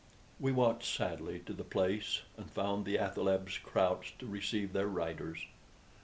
We walked sadly to the place, and found the athalebs crouched to receive their riders.